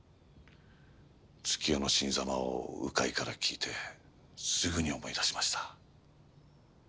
月代の死にざまを鵜飼から聞いてすぐに思い出しました。